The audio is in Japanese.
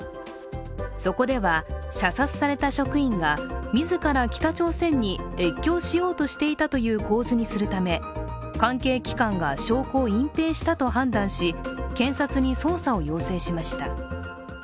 そこでは射殺された職員が自ら北朝鮮に越境しようとしていたという構図にするため関係機関が証拠を隠蔽したと判断し、検察に捜査を要請しました。